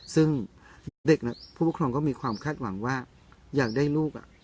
ซึ่งเด็กผู้ปกครองก็มีความคาดหวังว่าอยากได้ลูก